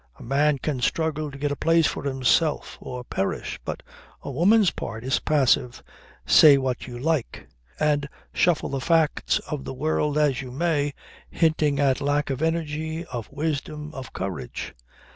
A man can struggle to get a place for himself or perish. But a woman's part is passive, say what you like, and shuffle the facts of the world as you may, hinting at lack of energy, of wisdom, of courage.